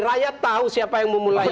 rakyat tahu siapa yang memulai